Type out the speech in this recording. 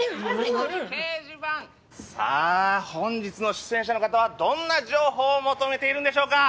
さあ本日の出演者の方はどんな情報を求めているんでしょうか？